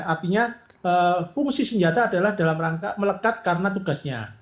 artinya fungsi senjata adalah dalam rangka melekat karena tugasnya